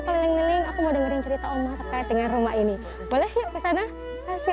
keliling keliling aku mau dengerin cerita omah terkait dengan rumah ini boleh yuk kesana kasih